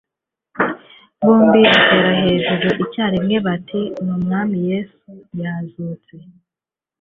Bombi baterera hejuru icyarimwe bati: Ni Umwami Yesu ! Yazutse !